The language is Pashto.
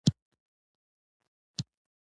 دا خو ډېره لاره ده.